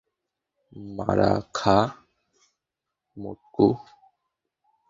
মারা খা মোটকু।